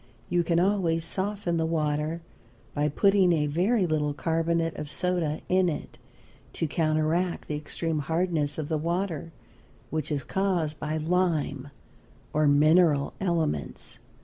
You can always soften the water by putting a very little carbonate of soda in it, to counteract the extreme hardness of the water, which is caused by lime or mineral elements.